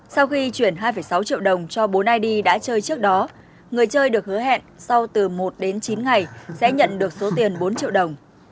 sau khi chuyển hai sáu triệu đồng cho bốn id đã chơi trước đó người chơi được hứa hẹn sau từ một đến chín ngày sẽ nhận được số tiền bốn triệu đồng